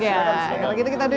bisa duduk ya kalau gitu kita duduk